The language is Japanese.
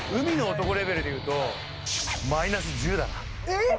えっ！？